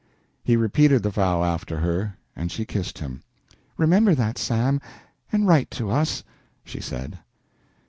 He repeated the vow after her, and she kissed him. "Remember that, Sam, and write to us," she said.